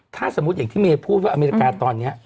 ถ้าสมมุติอย่างที่เมย์พูดว่าอเมริกาตอนนี้